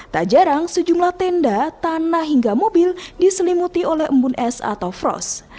tak jarang sejumlah tenda tanah hingga mobil diselimuti oleh embun es atau frost